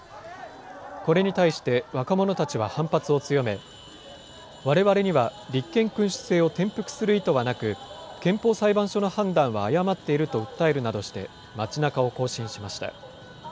これに対して若者たちは反発を強め、われわれには立憲君主制を転覆する意図はなく、憲法裁判所の判断は誤っていると訴えるなどして町なかを行進しました。